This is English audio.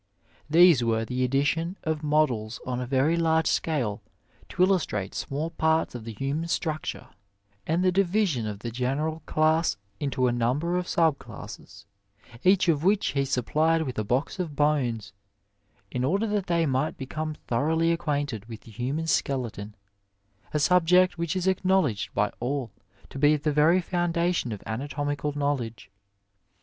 These were the addition of models on a veiy laige scale to illustrate small parts of the human structure ; and the division of the general class into a number of sub dassee, each of which he supplied witii a box of bones, in order that they might become thoroughly acquainted with the human skeleton, a subject which is acknow ledged by all to be at the very foundation of anatomical knowledge.